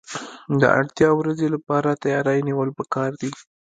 د اړتیا ورځې لپاره تیاری نیول پکار دي.